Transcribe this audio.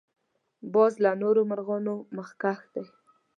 باز له نورو مرغانو مخکښ دی